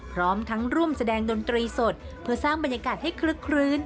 พร้อมทั้งร่วมแสดงดนตรีสดเพื่อสร้างบรรยากาศให้คลึกคลื้น